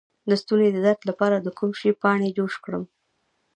د ستوني د درد لپاره د کوم شي پاڼې جوش کړم؟